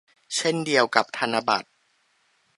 เช่นเดียวกับธนบัตร